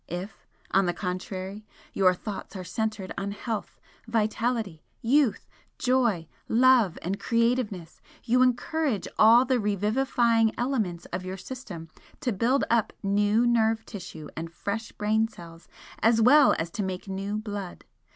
If, on the contrary, your thoughts are centred on health, vitality, youth, joy, love and creativeness, you encourage all the revivifying elements of your system to build up new nerve tissue and fresh brain cells, as well as to make new blood.